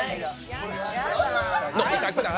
飲みたくない！